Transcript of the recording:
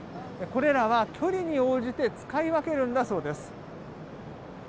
これらは距離に応じて使い分けるんだそうです。